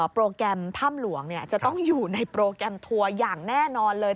โปรแกรมถ้ำหลวงจะต้องอยู่ในโปรแกรมทัวร์อย่างแน่นอนเลย